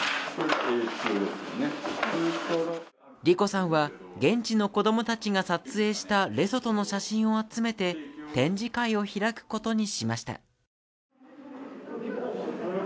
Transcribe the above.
莉瑚さんは、現地の子供たちが撮影したレソトの写真を集めて展示会を開くことにしました。